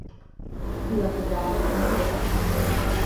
He left a daughter and a widow.